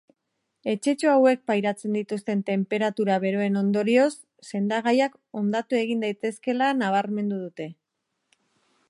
Etxetxo hauek pairatzen dituzten tenperatura beroen ondorioz sendagaiak hondatu egin daitezkeela nabarmendu dute.